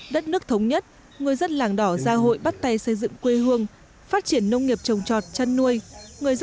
đất nước thống nhất người dân làng đỏ gia hội bắt tay xây dựng quê hương phát triển nông nghiệp trồng trọt chăn nuôi